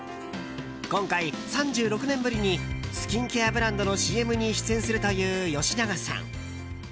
今回、３６年ぶりにスキンケアブランドのＣＭに出演するという吉永さん。